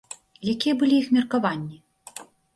Якія былі іх меркаванні?